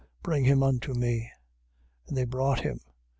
Bring him unto me. 9:19. And they brought him.